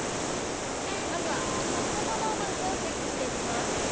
まずは、コストパフォーマンスをチェックしていきます。